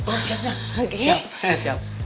oh siap iya